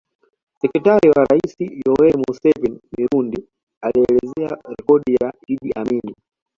Sekretari wa rais Yoweri Museveni Mirundi alielezea rekodi ya Idi Amin